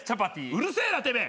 うるせえなてめえ。